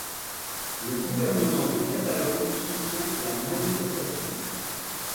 Le gouvernement de Catalogne soutient la manifestation.